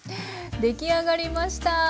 出来上がりました！